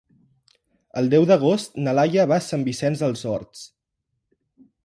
El deu d'agost na Laia va a Sant Vicenç dels Horts.